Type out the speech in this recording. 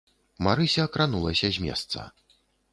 Марыся кранулася з месца.